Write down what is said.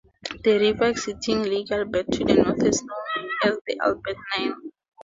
The river exiting Lake Albert to the north is known as the "Albert Nile".